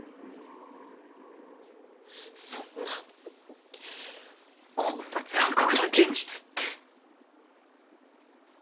そんなこんな残酷な現実って。